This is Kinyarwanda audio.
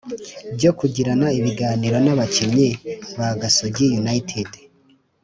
byo kugirana ibiganiro n’abakinnyi ba gasogi united